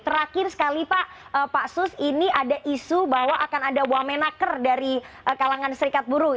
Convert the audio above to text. terakhir sekali pak pak sus ini ada isu bahwa akan ada wamenaker dari kalangan serikat buruh